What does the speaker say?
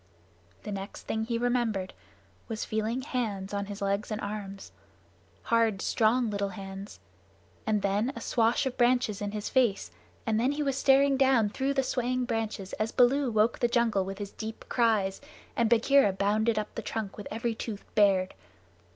The next thing he remembered was feeling hands on his legs and arms hard, strong, little hands and then a swash of branches in his face, and then he was staring down through the swaying boughs as Baloo woke the jungle with his deep cries and Bagheera bounded up the trunk with every tooth bared.